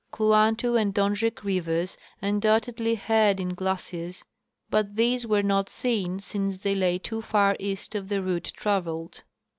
Kluantu and Donjek rivers undoubtedly head in glaciers, but these were not seen, since they lay too far east of the route traveled.